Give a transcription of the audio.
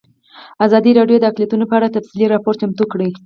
ازادي راډیو د اقلیتونه په اړه تفصیلي راپور چمتو کړی.